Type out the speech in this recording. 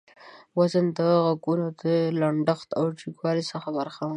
وزن د غږونو د لنډښت او جګوالي څخه برخمن دى.